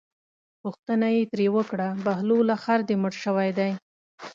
پوښتنه یې ترې وکړه بهلوله خر دې مړ شوی دی.